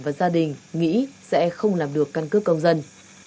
và gia đình nghĩ sẽ không làm được căn cước công dân